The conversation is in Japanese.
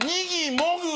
「もぐ」